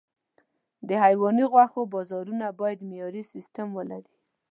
د حيواني غوښو بازارونه باید معیاري سیستم ولري.